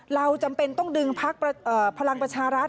เราจำเป็นต้องดึงพักพลังประชารัฐ